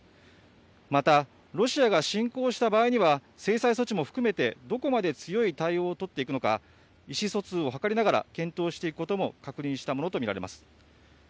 また、ロシアが侵攻した場合には制裁措置も含めてどこまで強い対応を取っていくのか意思疎通を図りながら検討していくことも確認したものと見られます。